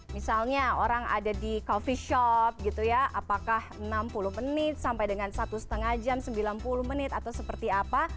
misalnya orang ada di coffee shop gitu ya apakah enam puluh menit sampai dengan satu lima jam sembilan puluh menit atau seperti apa